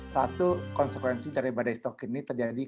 satu konsekuensi dari badai stokin ini terjadi